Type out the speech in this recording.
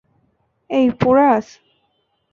এই, পোরাস!